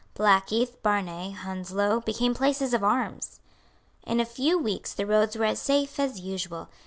Blackheath, Barnet, Hounslow, became places of arms. In a few weeks the roads were as safe as usual.